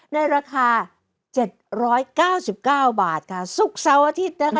ในราคา๗๙๙บาทค่ะศุกร์เสาร์อาทิตย์นะคะ